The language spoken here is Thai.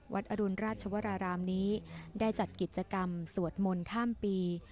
อรุณราชวรารามนี้ได้จัดกิจกรรมสวดมนต์ข้ามปี